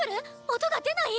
音が出ない⁉